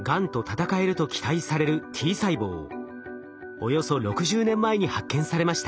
およそ６０年前に発見されました。